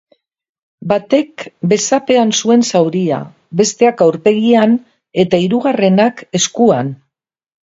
Batek besapean zuen zauria, besteak aurpegian eta hirugarrenak eskuan.